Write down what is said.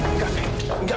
enggak enggak enggak